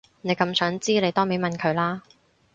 你咁想知你當面問佢啦